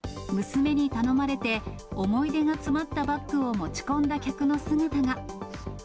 娘に頼まれて、思い出が詰まったバッグを持ち込んだ客の姿が。